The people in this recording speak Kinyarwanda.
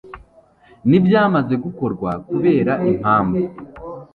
n ibyamaze gukorwa kubera impamvu